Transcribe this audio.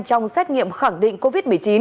trong xét nghiệm khẳng định covid một mươi chín